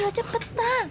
ya tapi bukannya